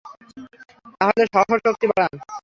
তাহলে সহ্যশক্তি বাড়ান।